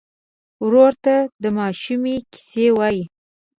ورور ته د ماشومۍ کیسې وایې.